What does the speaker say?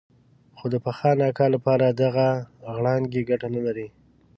خو د فخان اکا لپاره دغه غړانګې ګټه نه لري.